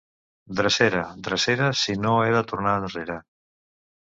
Drecera, drecera, si no he de tornar enrere.